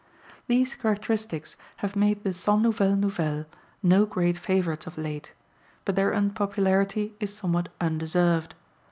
These characteristics have made the Cent Nouvelles Nouvelles no great favourites of late, but their unpopularity is somewhat undeserved.